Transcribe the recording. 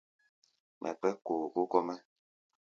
Mɛ kpɛ́k kookóo kɔ́-mɛ́.